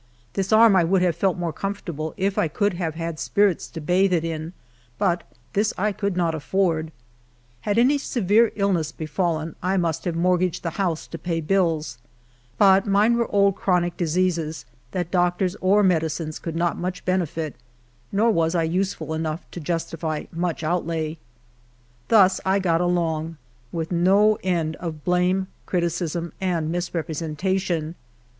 This arm would have felt more comfortable if 1 could have had spirits to bathe it in, but this 1 could not afford. Had any severe illness befallen, I HALF A DIMK A DAY. 25 must liHve inurtgaged the house to pay bills. But mine were old chronic diseases that doctors or medicines could not much beneiit, nor was I useful enough to iustity much outlay. Thus I got along, with no end of blame, criticism, and misrepresentation.